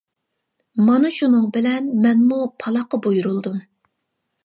مانا شۇنىڭ بىلەن مەنمۇ پالاققا بۇيرۇلدۇم.